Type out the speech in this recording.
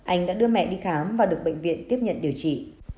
anh đã đưa mẹ đi khám và được bệnh viện tiếp nhận điều trị